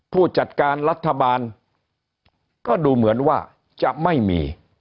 ผู้จัดการรัฐบาลก็ดูเหมือนว่าจะไม่มี